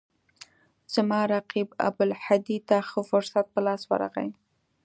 زما رقیب ابوالهدی ته ښه فرصت په لاس ورغی.